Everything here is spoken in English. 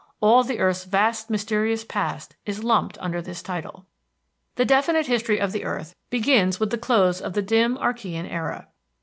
All the earth's vast mysterious past is lumped under this title. The definite history of the earth begins with the close of the dim Archean era.